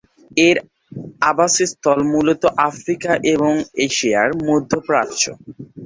এর আবাসস্থল মূলত আফ্রিকা এবং এশিয়ার মধ্যপ্রাচ্য।